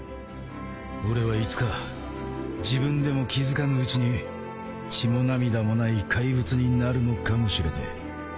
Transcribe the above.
俺はいつか自分でも気付かぬうちに血も涙もない怪物になるのかもしれねえ。